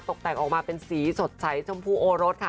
ตกแต่งออกมาเป็นสีสดใสชมพูโอรสค่ะ